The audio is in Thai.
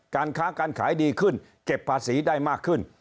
การค้าการขายดีขึ้นเก็บภาษีได้มากขึ้น